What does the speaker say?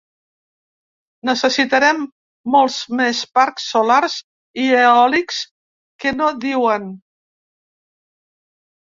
Necessitarem molts més parcs solars i eòlics que no diuen.